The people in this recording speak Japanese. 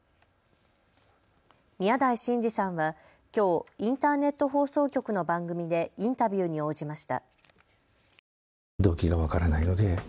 宮台真司さんはきょうインターネット放送局の番組でインタビューに応じました。